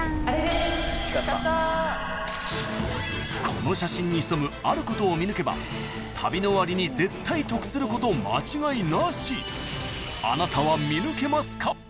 ［この写真に潜むあることを見抜けば旅の終わりに絶対得すること間違いなし］